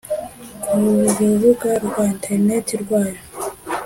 ku rubuga rwa interineti rwayo.